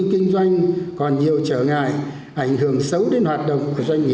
kinh doanh còn nhiều trở ngại ảnh hưởng xấu đến hoạt động